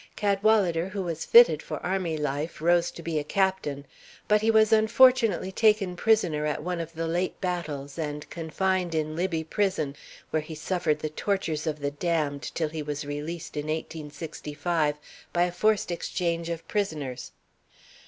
Cadwalader, who was fitted for army life, rose to be a captain; but he was unfortunately taken prisoner at one of the late battles and confined in Libby Prison, where he suffered the tortures of the damned till he was released, in 1865, by a forced exchange of prisoners.